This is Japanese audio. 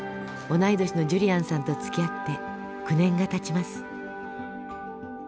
同い年のジュリアンさんとつきあって９年がたちます。